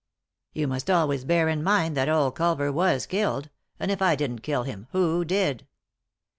" You must always bear in mind that old Culver was killed ; and if I didn't kill him, who did